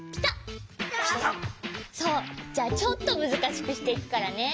じゃあちょっとむずかしくしていくからね。